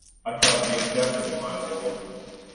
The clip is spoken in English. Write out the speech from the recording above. I try to be objective in my opinion.